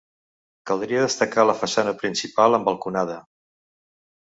Caldria destacar la façana principal amb balconada.